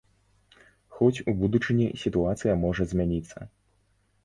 Хоць у будучыні сітуацыя можа змяніцца.